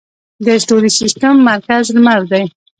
د ستوریز سیستم مرکز لمر دی